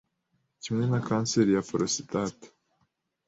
kimwe na kanseri ya porositate